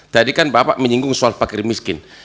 tadi kan bapak menyinggung soal fakir miskin